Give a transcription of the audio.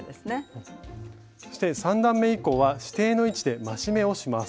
そして３段め以降は指定の位置で増し目をします。